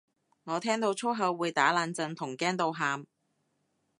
我聽到粗口會打冷震同驚到喊